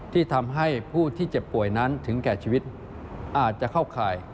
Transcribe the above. ที่ทำให้ผู้ที่เจ็บป่วยนั้นถึงแก่ชีวิตอาจจะเข้าข่าย